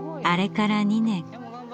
あれから２年。